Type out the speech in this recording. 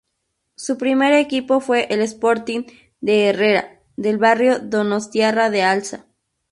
Su primer equipo fue el Sporting de Herrera, del barrio donostiarra de Alza.